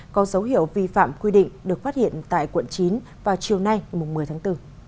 có dấu hiệu vi phạm quy định được phát hiện tại quận chín vào chiều nay một mươi tháng bốn